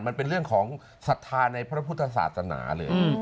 มันเป็นเรื่องของศรัทธาในพระพุทธศาสนาเลย